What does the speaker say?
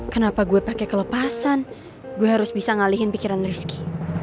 kenapa gue pakai kelepasan gue harus bisa ngalihin pikiran rizky